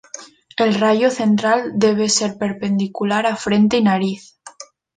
El "rayo central" debe ser perpendicular a frente y nariz.